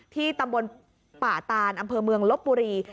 ที่ตำบลป่าตานอำเภอเมืองลบบุรี